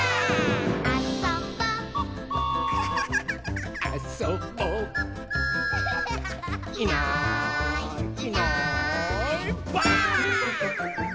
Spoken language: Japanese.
「あそぼ」「あそぼ」「いないいないばあっ！」